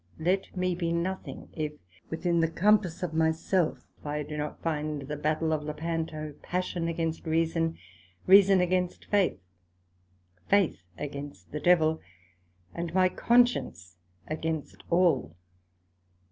Let me be nothing, if within the compass of my self I do not find the battail of Lepanto, Passion against Reason, Reason against Faith, Faith against the Devil, and my Conscience against all.